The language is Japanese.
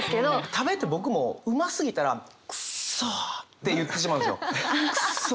食べて僕もうますぎたら「クソ」って言ってしまうんですよ。